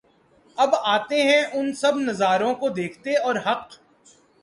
اب آتے ہیں ان سب نظاروں کو دیکھتے اور حق